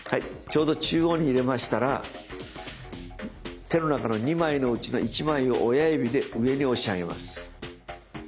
ちょうど中央に入れましたら手の中の２枚のうちの１枚を親指で上に押し上げます。